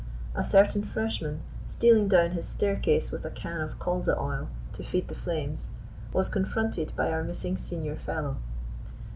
A certain freshman, stealing down his staircase with a can of colza oil to feed the flames, was confronted by our missing Senior Fellow.